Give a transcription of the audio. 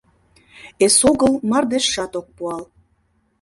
Эсогыл мардежшат ок пуал.